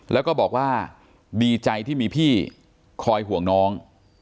แล้วก็บอกว่าดีใจที่มีพี่คอยห่วงน้อง